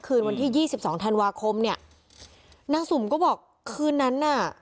คืนวันที่๒๒ธันวาคมเนี่ยนางสุมก็บอกคืนนั้นน่ะ